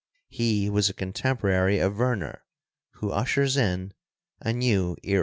He was a contemporary of Werner, who ush ers in a new era.